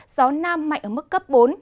gió nam mạnh ở mức cấp bốn